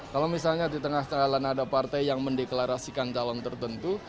kalau misalnya di tengah jalan ada partai yang mendeklarasikan calon tertentu